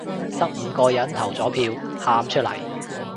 得五個人投咗票，喊出嚟